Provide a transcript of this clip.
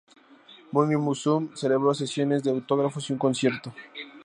Morning Musume celebró sesiones de autógrafos y un concierto.